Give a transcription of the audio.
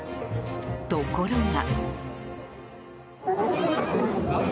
ところが。